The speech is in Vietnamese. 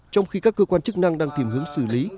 trong khi các cơ quan chức năng đang tìm hướng xử lý